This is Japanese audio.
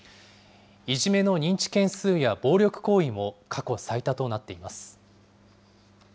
いじめの認知件数や暴力行為も過去最多となっています。